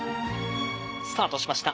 スタートしました。